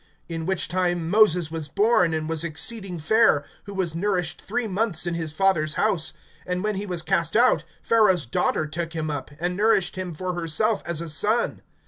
(20)In which time Moses was born, and was exceeding fair[7:20], who was nourished three months in his father's house. (21)And when he was cast out, Pharaoh's daughter took him up, and nourished him for herself as a son.